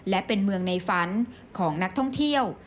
และเป็นเมืองในฝันของนักท่องเที่ยว